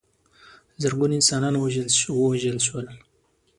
زرګونه انسانان ووژل شول.